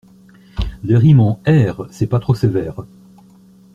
Les rimes en ère, c’est pas trop sévère.